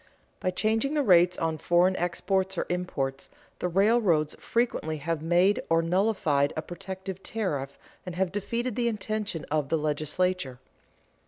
By changing the rates on foreign exports or imports, the railroads frequently have made or nullified a protective tariff and have defeated the intention of the legislature.